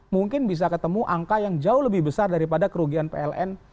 mungkin bisa ketemu angka yang jauh lebih besar daripada kerugian pln